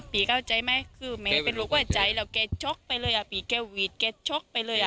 พี่เข้าใจไหมคือแม่เป็นลูกหัวใจแล้วแกชกไปเลยอ่ะพี่แกหวีดแกชกไปเลยอ่ะ